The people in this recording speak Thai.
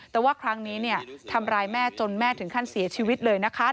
แต่ว่าครั้งนี้ทำร้ายแม่จนแม่ถึงขั้นเสียชีวิตเลยนะคะ